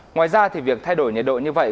ngoài ra việc thay đổi nhiệt độ như vậy